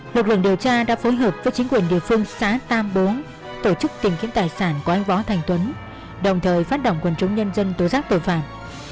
lực lượng điều tra đã phối hợp với chính quyền địa phương xã tam bố tổ chức tìm kiếm tài sản của anh võ thành tuấn đồng thời phát động quần chúng nhân dân tố giác tội phạm